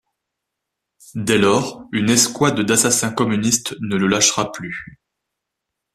Dès lors, une escouade d'assassins communistes ne le lâchera plus.